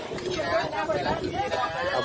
บอกเลยลูก